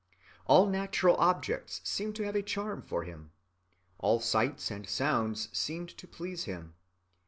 All natural objects seemed to have a charm for him. All sights and sounds seemed to please him.